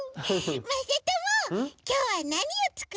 まさともきょうはなにをつくるの？